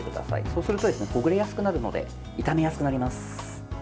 そうするとほぐれやすくなるので炒めやすくなります。